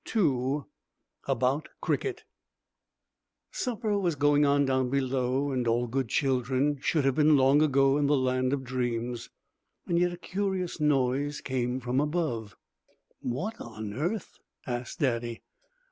II ABOUT CRICKET Supper was going on down below and all good children should have been long ago in the land of dreams. Yet a curious noise came from above. "What on earth ?" asked Daddy.